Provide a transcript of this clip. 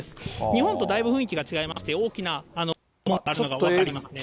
日本とだいぶ雰囲気が違いまして、大きながあるのが分かりますね。